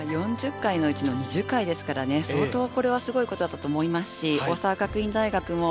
４０回のうちの２０回ですからね、相当すごいことだと思います。